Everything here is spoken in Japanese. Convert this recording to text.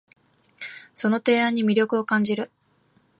その提案に魅力を感じる